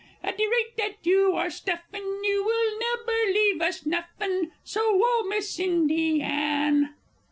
At de rate dat you are stuffin, you will nebber leave us nuffin; so woa, Miss Sindy Ann!